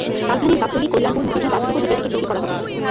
রাজধানীর Gabtoli, Kalyanpur, Motijheel bus depot ticket টিকিট বিক্রি করা হবে।